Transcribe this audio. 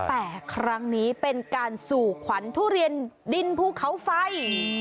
แต่ครั้งนี้เป็นการสู่ขวัญทุเรียนดินภูเขาไฟ